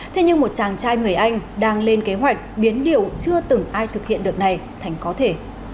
thế nhưng một chàng trai người anh đang lên kế hoạch biến điều chưa từng ai thực hiện được này thành có thể